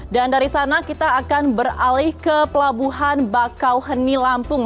dan dari sana kita akan beralih ke pelabuhan bakau heni lampung